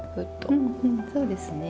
うんうんそうですね。